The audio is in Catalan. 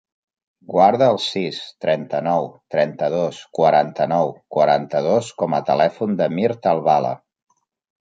Guarda el sis, trenta-nou, trenta-dos, quaranta-nou, quaranta-dos com a telèfon del Mirt Albala.